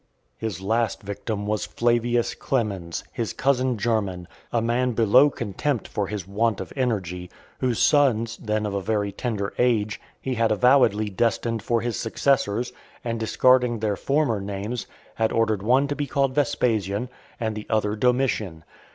XV. His last victim was Flavius Clemens , his cousin german, a man below contempt for his want of energy, whose sons, then of very tender age, he had avowedly destined for his successors, and, discarding their former names, had ordered one to be called Vespasian, and the other Domitian.